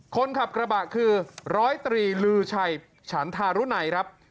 คนขับกระบะคือร้อยตรีลือชัยฉันทารุณัยครับ